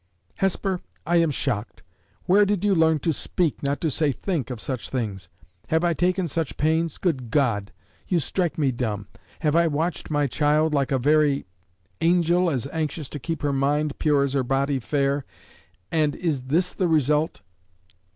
"Hesper! I am shocked. Where did you learn to speak, not to say think, of such things? Have I taken such pains good God! you strike me dumb! Have I watched my child like a very angel, as anxious to keep her mind pure as her body fair, and is this the result?"